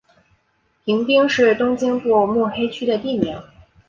平町是东京都目黑区的地名。